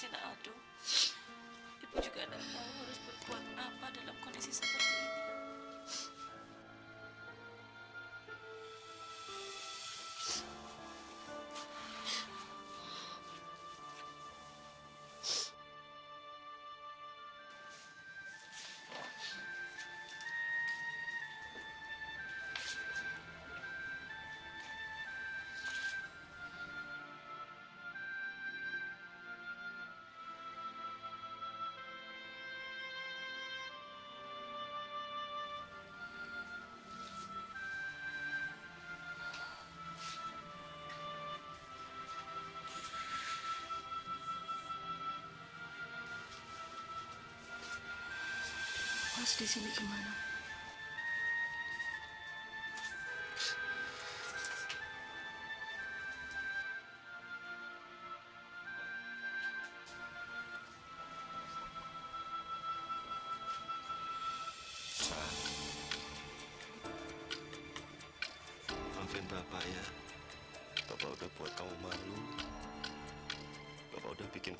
ini aku bawain makanan buat mas biar kamu makan yang enak di sini